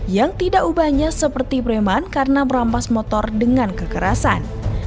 yang tidak ubahnya seperti preman karena merampas motor dengan kekerasan